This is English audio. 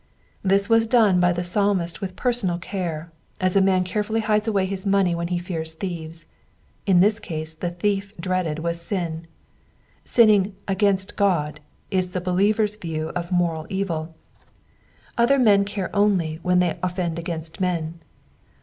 This was done by the Psalmist with personal care, as a man carefully hides away his money when he fears thieves, — in this case the thief dreaded was sin. Sinning " against God " is the believer's view of moral evil ; other men care only when they offend against men.